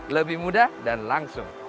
lebih mudah dan langsung